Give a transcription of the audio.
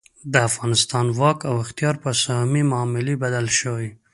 د افغانستان واک او اختیار په سهامي معاملې بدل شوی.